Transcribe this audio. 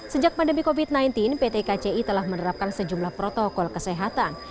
sejak pandemi covid sembilan belas pt kci telah menerapkan sejumlah protokol kesehatan